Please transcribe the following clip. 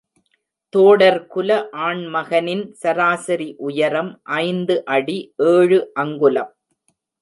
தோடர்குல ஆண்மகனின் சராசரி உயரம் ஐந்து அடி ஏழு அங்குலம்.